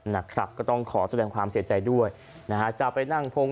นะครับก็ต้องขอแสดงความเสียใจด้วยนะฮะจะไปนั่งพง